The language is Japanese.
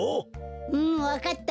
うんわかった。